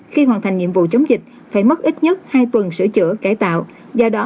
khi hoàn thành nhiệm vụ chống dịch phải mất ít nhất hai tuần sửa chữa cải tạo do đó